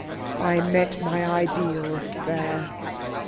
I met my ideal there.'